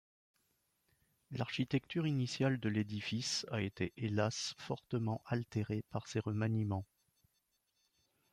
L'architecture initiale de l'édifice a été hélas fortement altérée par ces remaniements.